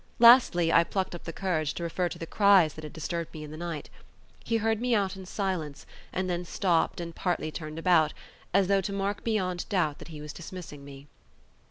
Lastly, I plucked up courage to refer to the cries that had disturbed me in the night. He heard me out in silence, and then stopped and partly turned about, as though to mark beyond doubt that he was dismissing me.